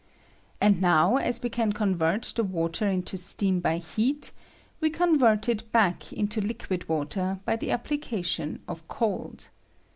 And now, as we can convert the water into steam by heat, we convert it back into liquid water by the application of cold.